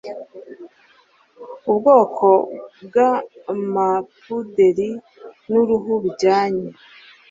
Ubwoko bw'amapuderi n'uruhu bijyana